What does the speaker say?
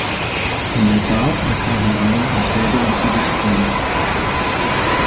In der Tat, er kam herein und drehte unser Gespräch.